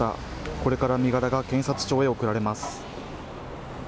これから身柄が検察庁に送られます。